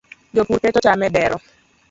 jopur keto cham e dero